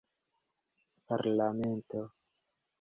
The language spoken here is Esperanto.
parlamento